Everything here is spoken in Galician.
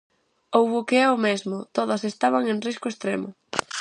Ou o que é o mesmo: todas estaban en risco extremo.